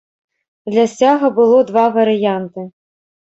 Для сцяга было два варыянты.